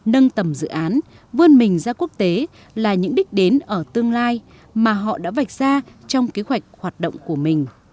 nâng tầm dự án vươn mình ra quốc tế là những đích đến ở tương lai mà họ đã vạch ra trong kế hoạch hoạt động của mình